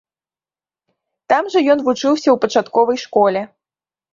Там жа ён вучыўся ў пачатковай школе.